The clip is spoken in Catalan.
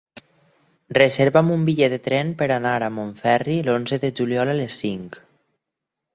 Reserva'm un bitllet de tren per anar a Montferri l'onze de juliol a les cinc.